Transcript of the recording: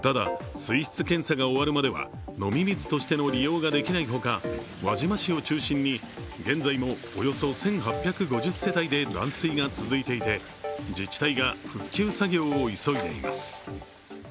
ただ、水質検査が終わるまでは飲み水としての利用ができないほか、輪島市を中心に現在もおよそ１８５０世帯で断水が続いていて自治体が復旧作業を急いでいます。